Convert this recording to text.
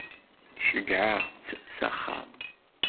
Ceggɛeɣ-tt s axxam.